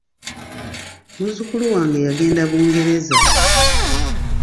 Muzzukulu wange yagenda Bungereza.